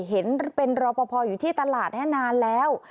เห็นเป็นรอปภอยู่ที่ตลาดนี้นานแล้ว